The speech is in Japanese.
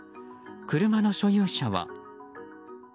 車の所有者は。